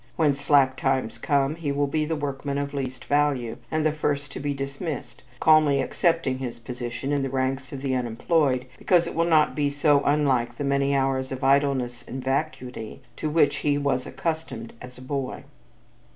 When "slack times" come, he will be the workman of least value, and the first to be dismissed, calmly accepting his position in the ranks of the unemployed because it will not be so unlike the many hours of idleness and vacuity to which he was accustomed as a boy.